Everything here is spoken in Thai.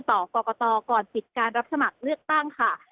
ต่อกรกตก่อนปิดการรับสมัครเลือกตั้งค่ะ